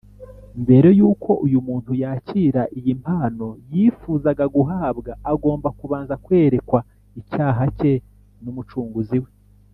Mbere yuko uyu muntu yakira iyi mpano yifuzaga guhabwa, agomba kubanza kwerekwa icyaha cye n’Umucunguzi we